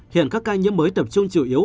hiện các ca nhiễm mới tập trung chủ yếu